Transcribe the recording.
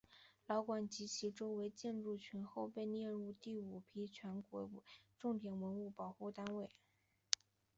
老馆及其周围的建筑群后被列入第五批全国重点文物保护单位。